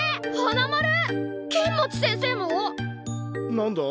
何だ？